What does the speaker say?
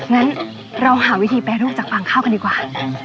งั้นเราหาวิธีแปรรูปจากฟางข้าวกันดีกว่า